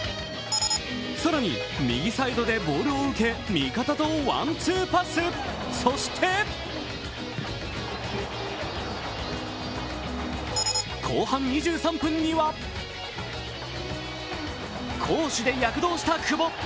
更に、右サイドでボールを受け味方とワン・ツーパス、そして後半２３分には攻守で躍動した久保。